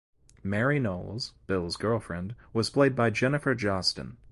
Mary Knowles, Bill's girlfriend, was played by Jennifer Jostyn.